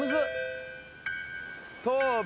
頭部。